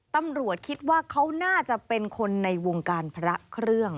ตำรวจคิดว่าเขาน่าจะเป็นคนในวงการพระเครื่อง